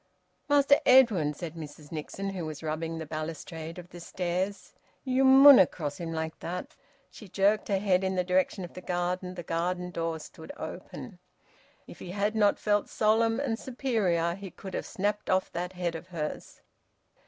"Master Edwin," said Mrs Nixon, who was rubbing the balustrade of the stairs, "you munna' cross him like that." She jerked her head in the direction of the garden. The garden door stood open. If he had not felt solemn and superior, he could have snapped off that head of hers.